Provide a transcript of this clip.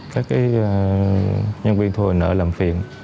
các nhân viên thu hồi nợ làm phiền